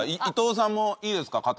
伊藤さんもいいですか？